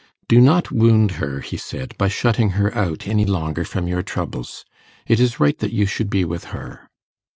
'Do not wound her,' he said, 'by shutting her out any longer from your troubles. It is right that you should be with her.